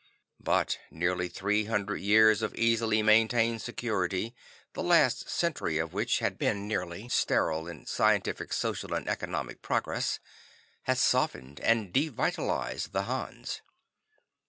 But nearly three hundred years of easily maintained security, the last century of which had been nearly sterile in scientific, social and economic progress, had softened and devitalized the Hans.